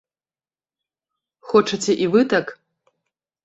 Хочаце і вы так?